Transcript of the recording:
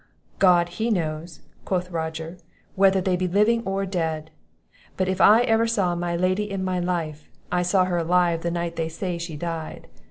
'God, He knows,' quoth Roger, 'whether they be living or dead; but if ever I saw my Lady in my life, I saw her alive the night they say she died.